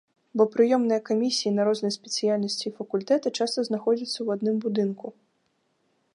Бо прыёмныя камісіі на розныя спецыяльнасці і факультэты часта знаходзяцца ў адным будынку.